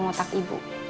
batang otak ibu